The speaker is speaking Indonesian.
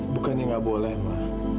bukannya nggak boleh ma